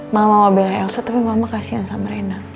mama mau bela elsa tapi mama kasihan sama rena